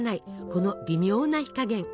この微妙な火加減。